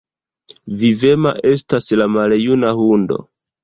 Vivema estas la maljuna hundo!